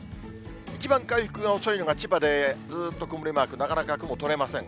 一番回復が遅いのが千葉で、ずっと曇りマーク、なかなか雲取れません。